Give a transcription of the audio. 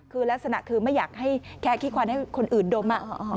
คือลักษณะคือไม่อยากให้แค่ขี้ควันให้คนอื่นดม